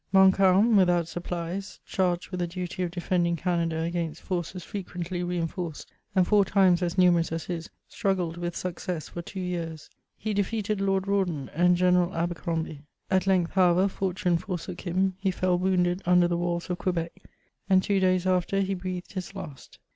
Montcalm, without supplies, charged with the duty of defend ing Canada against forces frequently le inforoed, and four times as numerous as his, struggled with success for two years ; he defeated Lord Rawdon and General Abercromby. At length, however, fortune forsook him ; he fell wounded under the walls of Quebec, and two days after ho breathed his last.